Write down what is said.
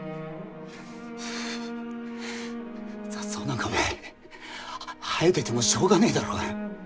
雑草なんかお前生えててもしょうがねえだろうが。